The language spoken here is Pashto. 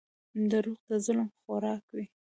• دروغ د ظلم خوراک وي.